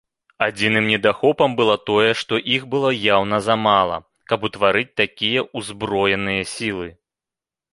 Адзіным недахопам было тое, што іх было яўна замала, каб утварыць такія ўзброеныя сілы.